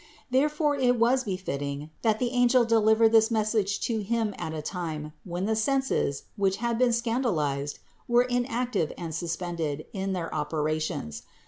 Therefore it was befitting, that the angel deliver this message to him at a time, when the senses, which had been scandal ized, were inactive and suspended in their operations.